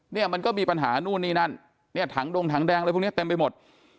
เนี่ยมันก็มีปัญหานู่นนี่นั่นเนี่ยถังดงถังแดงอะไรพวกนี้เต็มไปหมด